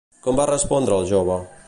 Com va respondre al jove?